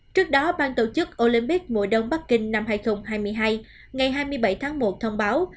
trước đó bang tổ chức olympic mùa đông bắc kinh năm hai nghìn hai mươi hai ngày hai mươi bảy tháng một thông báo